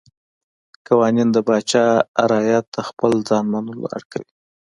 قوانین د پاچا رعیت ته خپل ځای منلو اړ کوي.